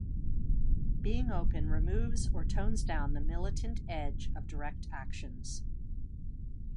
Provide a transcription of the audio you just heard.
Being open removes or tones down the militant edge of direct actions.